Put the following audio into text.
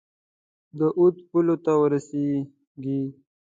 د اود پولو ته ورسیږي.